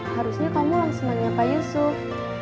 harusnya kamu langsung tanya pak yusuf